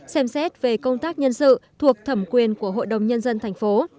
xem xét về công tác nhân sự thuộc thẩm quyền của hội đồng nhân dân tp